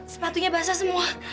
sepatunya basah semua